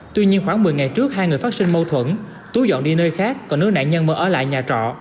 tuy nhiên khoảng một mươi ngày trước hai người phát sinh mâu thuẫn tú dọn đi nơi khác còn nữ nạn nhân mở ở lại nhà trọ